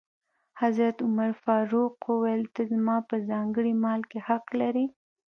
حضرت عمر فاروق وویل: ته زما په ځانګړي مال کې حق لرې.